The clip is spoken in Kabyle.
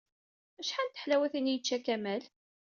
Acḥal n teḥlawatin i yečča Kamal?